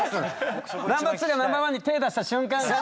ナンバー２がナンバー１に手出した瞬間がね。